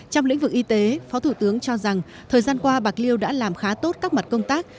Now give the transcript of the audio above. trong lĩnh vực y tế phó thủ tướng cho rằng thời gian qua bạc liêu đã làm khá tốt các mặt công tác